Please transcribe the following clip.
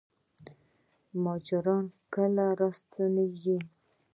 مهاجر کله راستنیږي؟